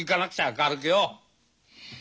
明るくよ。